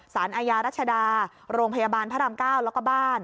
สารอาญารัชดาโรงพยาบาลพระราม๙แล้วก็บ้าน